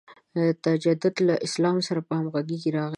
تجدد له اسلام سره په همغږۍ راغی.